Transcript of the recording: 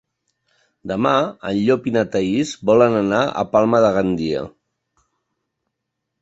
Demà en Llop i na Thaís volen anar a Palma de Gandia.